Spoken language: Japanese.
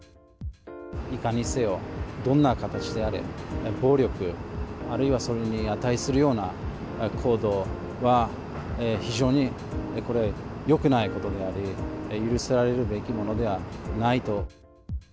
いかにせよ、どんな形であれ、暴力、あるいはそれに値するような行動は、非常にこれ、よくないことであり、許されるべきものではないと。